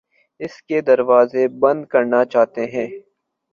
اس کے دروازے بند کرنا چاہتے ہیں